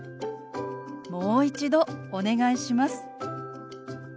「もう一度お願いします」。